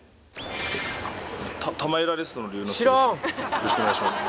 よろしくお願いします